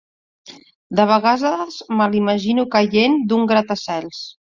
De vegades me l'imagino caient d'un gratacels.